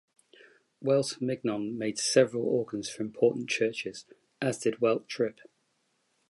Welte Mignon made several organs for important churches as did Welte-Tripp.